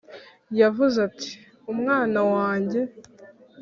yavuze ati: umwana wanjye.